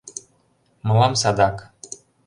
Мылам садак.